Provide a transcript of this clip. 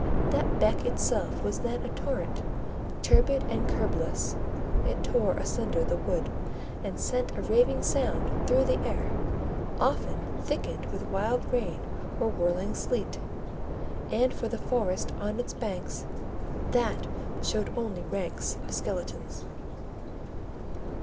That beck itself was then a torrent, turbid and curbless: it tore asunder the wood, and sent a raving sound through the air, often thickened with wild rain or whirling sleet; and for the forest on its banks, that showed only ranks of skeletons.